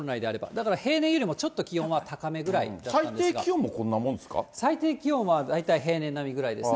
だから平年よりもちょっと気温は最低気温もこんなもんですか最低気温は大体平年並みぐらいですね。